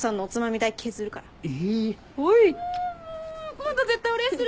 今度絶対お礼する。